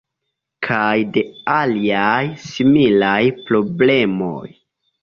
Kaj de aliaj similaj problemoj.